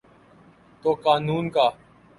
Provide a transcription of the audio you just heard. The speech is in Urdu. تو قانون کا۔